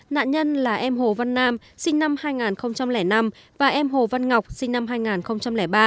nạn nhân là em hồ văn nam sinh năm hai nghìn năm và em hồ văn ngọc sinh năm hai nghìn ba